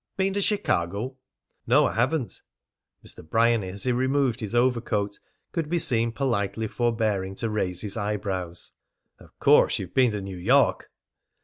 "Been to Chicago?" "No, I haven't." Mr. Bryany, as he removed his overcoat, could be seen politely forbearing to raise his eyebrows. "Of course you've been to New York?"